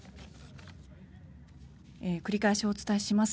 繰り返しお伝えします。